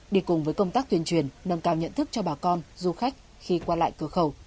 đi cùng với công tác tuyên truyền nâng cao nhận thức cho bà con du khách khi qua lại cửa khẩu